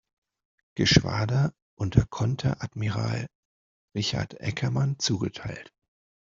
Geschwader unter Konteradmiral Richard Eckermann zugeteilt.